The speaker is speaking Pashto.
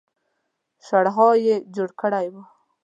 شړهار يې جوړ کړی و.